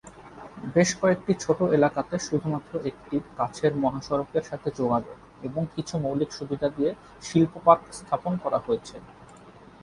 বেশ কয়েকটি ছোটো এলাকাতে শুধুমাত্র একটি কাছের মহাসড়কের সাথে যোগাযোগ এবং কিছু মৌলিক সুবিধা দিয়ে শিল্প পার্ক স্থাপন করা হয়েছে।